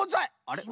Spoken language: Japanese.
あれ？